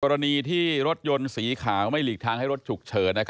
กรณีที่รถยนต์สีขาวไม่หลีกทางให้รถฉุกเฉิน